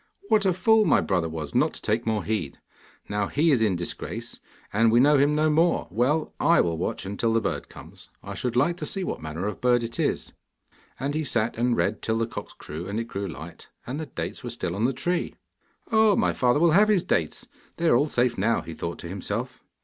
'What a fool my brother was not to take more heed! Now he is in disgrace, and we know him no more. Well, I will watch till the bird comes. I should like to see what manner of bird it is.' And he sat and read till the cocks crew and it grew light, and the dates were still on the tree. 'Oh my father will have his dates; they are all safe now,' he thought to himself.